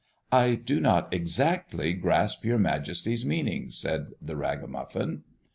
"I do not exactly grasp your Majesty's meaning," said the ragamuffin.